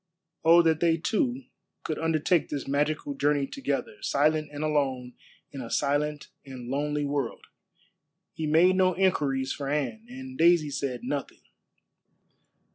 Oh that they two could undertake this magical journey together, silent and alone in a silent and lonely world. He made no inquiries for Anne, and Daisy said nothing.